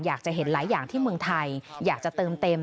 อยากจะเห็นหลายอย่างที่เมืองไทยอยากจะเติมเต็ม